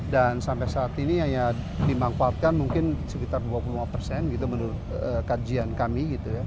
dan sampai saat ini hanya dimanfaatkan mungkin sekitar dua puluh lima persen menurut kajian kami